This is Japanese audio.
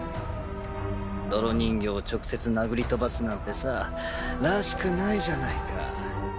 泥人形を直接殴り飛ばすなんてさらしくないじゃないか。